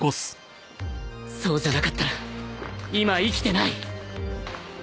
そうじゃなかったら今生きてない